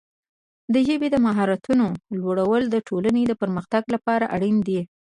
د ژبې د مهارتونو لوړول د ټولنې د پرمختګ لپاره اړین دي.